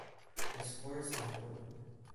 The score is unknown.